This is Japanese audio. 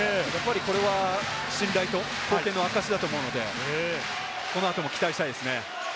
これは信頼と貢献の証だと思うので、この後に期待したいですね。